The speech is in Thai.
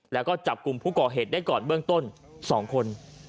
แล้วก็จับกลุ่มผู้ก่อเหตุได้ก่อนเบื้องต้น๒คน